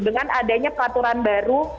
dengan adanya peraturan baru